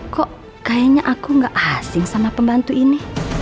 kok kayaknya aku gak asing sama pembantu ini